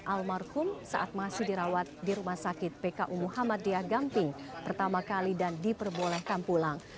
almarhum saat masih dirawat di rumah sakit pku muhammadiyah gamping pertama kali dan diperbolehkan pulang